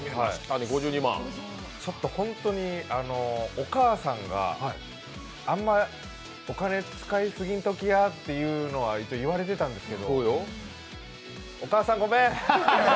本当にお母さんが、あまりお金使いすぎんときやって言われてたんですけど、お母さん、ごめん！